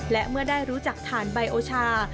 และเมื่อได้รู้จักฐานใบโอชา